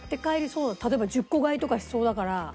例えば１０個買いとかしそうだから。